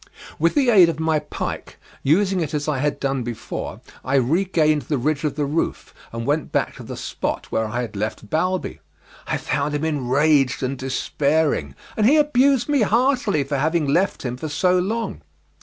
With the aid of my pike, using it as I had done before, I regained the ridge of the roof, and went back to the spot where I had left Balbi. I found him enraged and despairing, and he abused me heartily for having left him for so long.